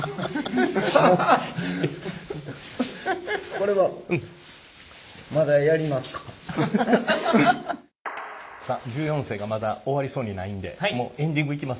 これはさあ１４世がまだ終わりそうにないんでもうエンディングいきます。